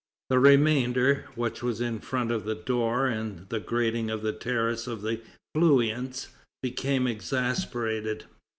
The remainder, which was in front of the door and the grating of the terrace of the Feuillants, became exasperated.